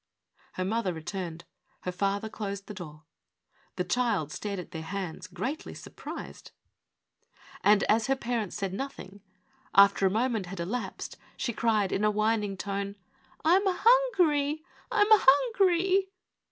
Her mother returned; her father closed the door. The child strrud ut their hands greatly surprised. And, 332 OUT OF WORK. as her parents said nothing, after a moment had elapsed, she cried, in a whining tone :" I am hungry I I am hungry